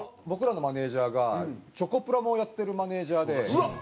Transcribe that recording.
僕らのマネジャーがチョコプラもやってるマネジャーで。